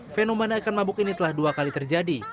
fenomena ikan mabuk ini telah dua kali terjadi